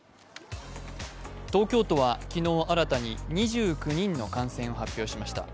東京都は昨日新たに２９人の感染を発表しました。